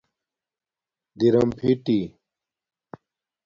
درم فیٹی